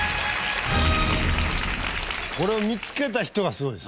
これを見つけた人がすごいですね。